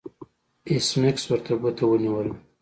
ایس میکس ورته ګوته ونیوله